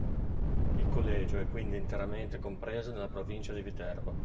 Il collegio è quindi interamente compreso nella provincia di Viterbo.